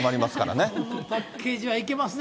このパッケージはいけますね。